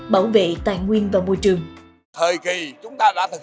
bảo vệ tài nguyên và môi trường